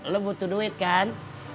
lo butuh duit kan